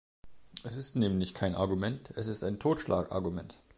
Es ist nämlich kein Argument, es ist ein Totschlagargument.